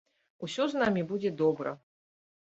Усё з намі будзе добра!